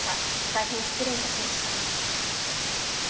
大変、失礼致しました。